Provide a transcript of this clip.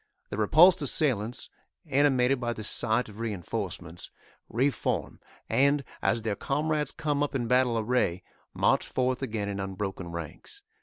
The repulsed assailants, animated by the sight of reinforcements, reform, and, as their comrades come up in battle array, march forth again in unbroken ranks.